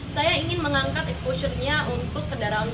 saya ingin mengangkat eksposurnya untuk kendaraan umum